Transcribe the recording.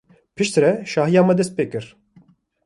Piştre şahiya me dest pê kir.